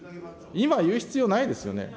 今言う必要ないですよね。